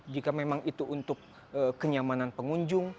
jika memang itu untuk kenyamanan pengunjung